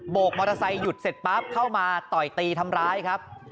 กมอเตอร์ไซค์หยุดเสร็จปั๊บเข้ามาต่อยตีทำร้ายครับ